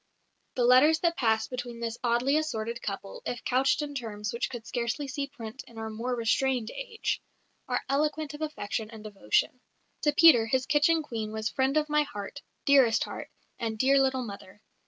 The letters that passed between this oddly assorted couple, if couched in terms which could scarcely see print in our more restrained age, are eloquent of affection and devotion. To Peter his kitchen Queen was "friend of my Heart," "dearest Heart," and "dear little Mother."